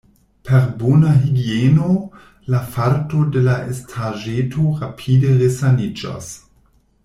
Per bona higieno la farto de la estaĵeto rapide resaniĝos.